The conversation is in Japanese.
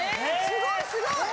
すごいすごい！